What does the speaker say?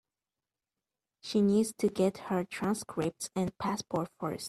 She needs to get her transcripts and passport first.